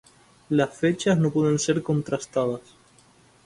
Las fechas no pueden ser contrastadas.